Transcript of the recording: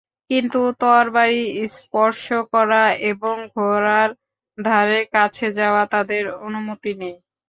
কিন্তু তরবারি স্পর্শ করা এবং ঘোড়ার ধারে কাছে যাওয়া তাদের অনুমতি নেই।